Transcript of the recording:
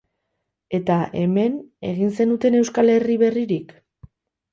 Eta, hemen, egin zenuten Euskal Herri berririk?